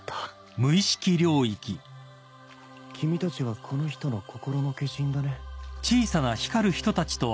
君たちはこの人の心の化身だね。